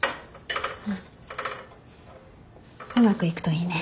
うんうまくいくといいね。